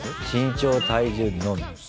身長体重のみ。